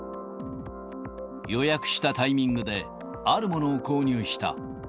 予約したタイミングで、あるものを購入した。